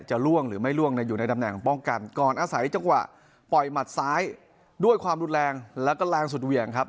ล่วงหรือไม่ล่วงอยู่ในตำแหน่งป้องกันก่อนอาศัยจังหวะปล่อยหมัดซ้ายด้วยความรุนแรงแล้วก็แรงสุดเหวี่ยงครับ